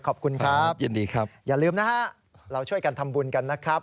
ขอบคุณครับยินดีครับอย่าลืมนะฮะเราช่วยกันทำบุญกันนะครับ